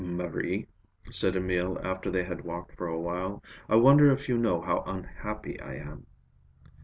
"Marie," said Emil after they had walked for a while, "I wonder if you know how unhappy I am?"